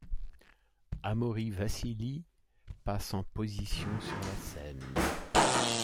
Amaury Vassili passe en position sur la scène.